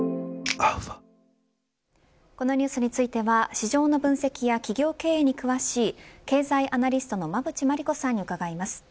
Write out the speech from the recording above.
このニュースについては市場の分析や企業経営に詳しい経済アナリストの馬渕磨理子さんに伺います。